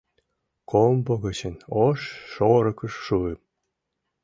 Комбо гычын ош шорыкыш шуым